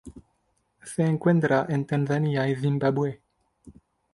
Se encuentra en Tanzania y Zimbabue.